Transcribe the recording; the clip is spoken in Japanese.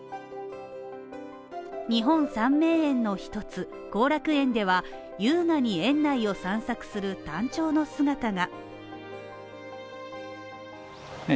日本３名園の一つ、後楽園では、優雅に園内を散策するタンチョウの姿が。